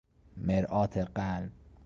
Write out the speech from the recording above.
مرآت قلب